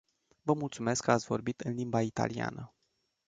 Vă mulțumesc că ați vorbit în limba italiană.